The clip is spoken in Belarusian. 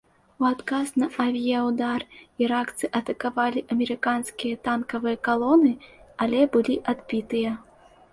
У адказ на авіяўдар іракцы атакавалі амерыканскія танкавыя калоны, але былі адбітыя.